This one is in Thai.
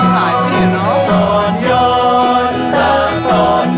ตอนย้อนตากตอนย้อน